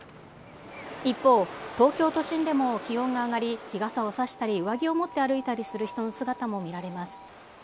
一方、東京都心でも気温が上がり、日傘を差したり、上着を持って歩いたりする人の姿も見られます。